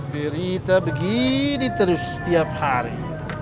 cerita begini terus tiap hari